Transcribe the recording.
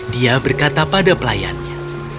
dia berkata pada pelayannya